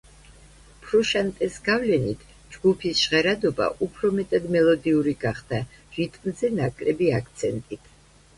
ფრუშანტეს გავლენით ჯგუფის ჟღერადობა უფრო მეტად მელოდიური გახდა, რიტმზე ნაკლები აქცენტით.